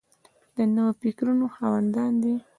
د نویو فکرونو خاوندان دي.